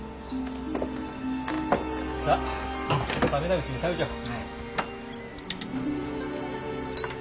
さあ冷めないうちに食べちゃおう。